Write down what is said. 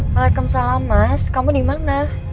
waalaikumsalam mas kamu dimana